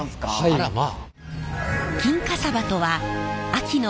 あらまあ。